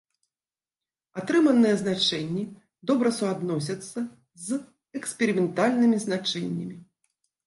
Атрыманыя значэнні добра суадносяцца з эксперыментальнымі значэннямі.